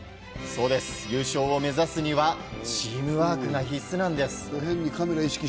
そうです、優勝を目指すにはチームワークが必須なんです。